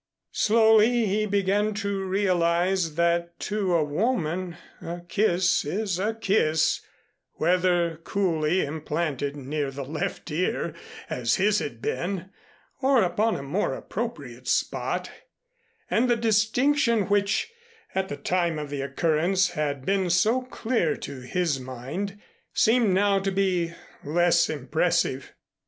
Slowly he began to realize that to a woman a kiss is a kiss, whether coolly implanted near the left ear, as his had been, or upon a more appropriate spot; and the distinction which, at the time of the occurrence, had been so clear to his mind, seemed now to be less impressive.